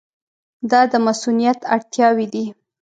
دا د مصونیت اړتیاوې دي.